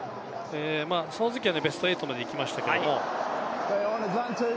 そのときはベスト８まで行きましたけれども。